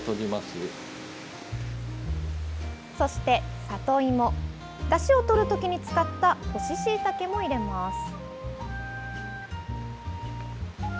そして、里芋だしをとるときに使った干ししいたけも入れます。